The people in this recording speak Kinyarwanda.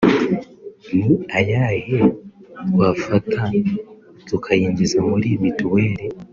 ni ayahe twafata tukayinjiza muri mituweli